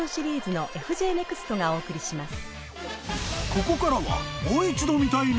［ここからは］